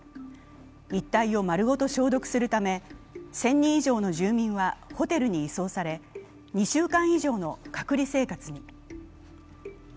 一帯をまるごと消毒するため、１０００人以上の住民はホテルに移送され２週間以上の隔離生活に。